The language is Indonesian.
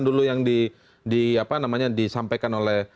dulu yang disampaikan oleh